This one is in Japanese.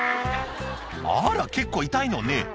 「あら結構痛いのね」